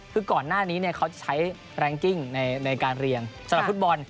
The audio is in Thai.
คือก่อนหน้านี้เขาใช้แรงกิ้งในการเรียงสำหรับฟุตบอล